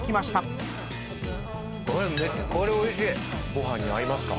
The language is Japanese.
ご飯に合いますか？